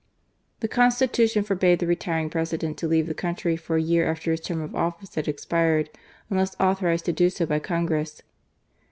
The Constitution forbade the retiring President to leave the country for a year after his term of office had expired, unless authorized to do so by Congress.